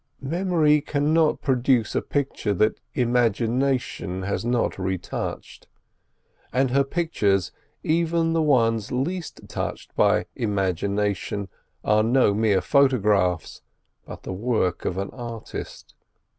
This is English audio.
Memory cannot produce a picture that Imagination has not retouched; and her pictures, even the ones least touched by Imagination, are no mere photographs, but the work of an artist.